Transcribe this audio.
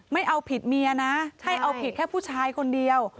ไม่เอาผิดเมียนะใช่เอาผิดแค่ผู้ชายคนเดียว